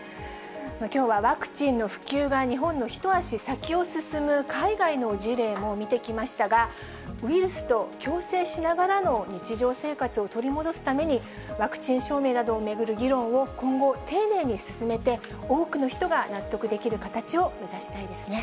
きょうはワクチンの普及が日本の一足先を進む海外の事例も見てきましたが、ウイルスと共生しながらの日常生活を取り戻すために、ワクチン証明などを巡る議論を今後、丁寧に進めて、多くの人が納得できる形を目指したいですね。